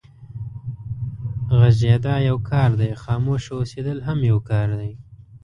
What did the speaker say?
غږېدا يو کار دی، خاموشه اوسېدل هم يو کار دی.